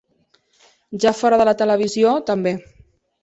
Ja fora de la televisió, també.